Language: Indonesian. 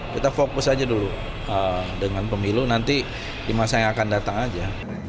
kita fokus aja dulu dengan pemilu nanti di masa yang akan datang aja